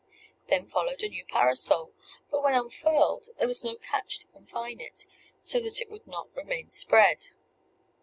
Then followed a new parasol; but when unfurled there was no catch to confine it, so that it would not remain spread.